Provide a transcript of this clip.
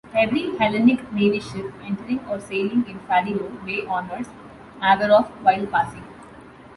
Every Hellenic Navy ship entering or sailing in Faliro Bay honours "Averof" while passing.